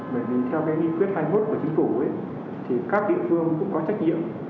bởi vì theo cái nghị quyết hai mươi một của chính phủ thì các địa phương cũng có trách nhiệm